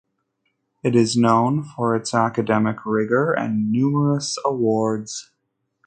It is known for its academic rigor and numerous awards.